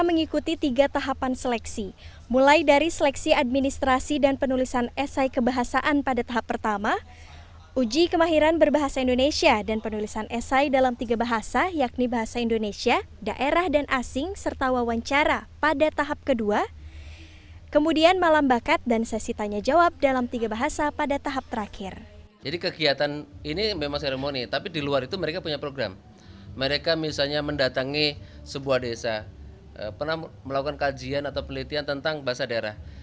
mereka misalnya mendatangi sebuah desa pernah melakukan kajian atau pelitian tentang bahasa daerah